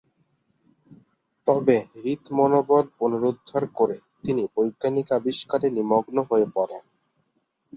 তবে হৃত মনোবল পুনরুদ্ধার করে তিনি বৈজ্ঞানিক আবিষ্কারে নিমগ্ন হয়ে পড়েন।